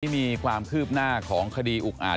มีความคืบหน้าของคดีอุกอาจ